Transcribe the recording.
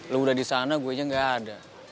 lo udah di sana gue aja gak ada